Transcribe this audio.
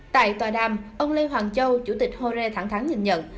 tại tọa đàm ông lê hoàng châu chủ tịch hồ rê thẳng thắng nhận nhận